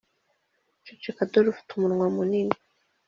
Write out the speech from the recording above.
ceceka, dore ufite umunwa munini.